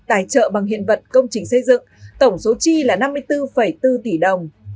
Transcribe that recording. tài trợ bằng hiện vật công trình xây dựng tổng số chi là năm mươi bốn bốn tỷ đồng